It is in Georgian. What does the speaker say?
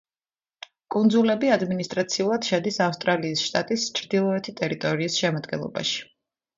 კუნძულები ადმინისტრაციულად შედის ავსტრალიის შტატის ჩრდილოეთი ტერიტორიის შემადგენლობაში.